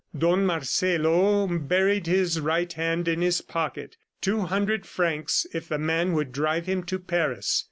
Don Marcelo buried his right hand in his pocket. Two hundred francs if the man would drive him to Paris.